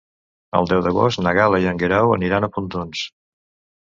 El deu d'agost na Gal·la i en Guerau aniran a Pontons.